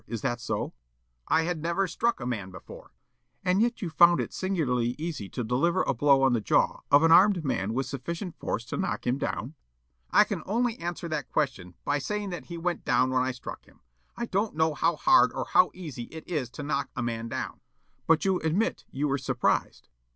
Is that so?" Yollop: "I had never even struck a man before." Counsel: "And yet you found it singularly easy to deliver a blow on the jaw of an armed man with sufficient force to knock him down?" Yollop: "I can only answer that question by saying that he went down when I struck him. I don't know how hard or how easy it is to knock a man down." Counsel: "But you admit you were surprised?"